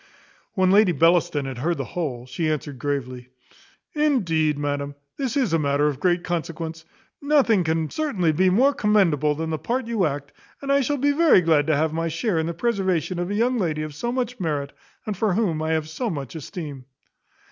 When Lady Bellaston had heard the whole, she answered gravely, "Indeed, madam, this is a matter of great consequence. Nothing can certainly be more commendable than the part you act; and I shall be very glad to have my share in the preservation of a young lady of so much merit, and for whom I have so much esteem."